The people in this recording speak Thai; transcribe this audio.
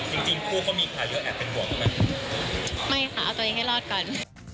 ไม่ค่ะเอาตัวเองให้รอดก่อน